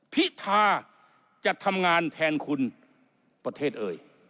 พิธาจะทำงานแทนคุณประเทศเอ่ย